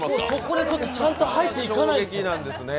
そこでちょっとちゃんと入っていかないです。